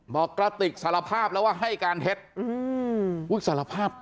บอกกระติกสารภาพแล้วว่าให้การเท็จ